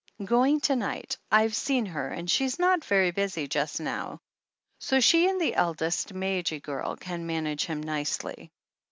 "Going to night. I've seen her, and she's not very busy just now, so she and the eldest Madge girl can manage him nicely."